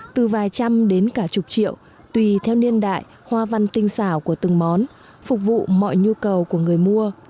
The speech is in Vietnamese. từ vài trăm đến cả chục triệu tùy theo niên đại hoa văn tinh xảo của từng món phục vụ mọi nhu cầu của người mua